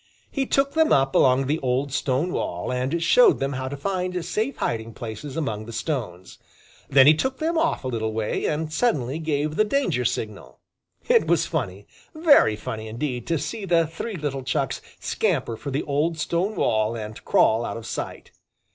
He took them up along the old stone wall and showed them how to find safe hiding places among the stones. Then he took them off a little way and suddenly gave the danger signal. It was funny, very funny indeed to see the three little Chucks scamper for the old stone wall and crawl out of sight.